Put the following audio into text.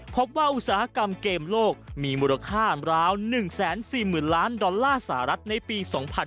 อุตสาหกรรมเกมโลกมีมูลค่าราว๑๔๐๐๐ล้านดอลลาร์สหรัฐในปี๒๕๕๙